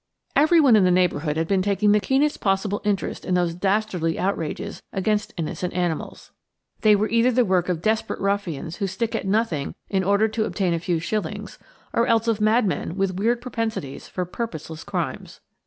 Everyone in the neighbourhood had been taking the keenest possible interest in those dastardly outrages against innocent animals. They were either the work of desperate ruffians who stick at nothing in order to obtain a few shillings, or else of madmen with weird propensities for purposeless crimes.